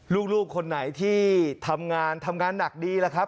ลูกคนไหนที่ทำงานทำงานหนักดีล่ะครับ